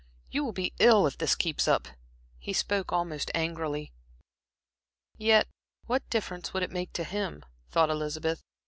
You you will be ill if this keeps up." He spoke almost angrily. "Yet what difference would it make to him?" thought Elizabeth.